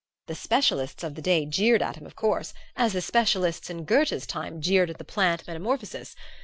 The specialists of the day jeered at him, of course, as the specialists in Goethe's time jeered at the plant metamorphosis.